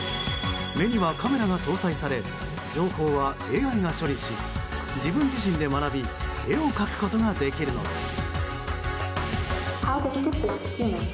目にはカメラが搭載され情報はＡＩが処理し自分自身で学び絵を描くことができるのです。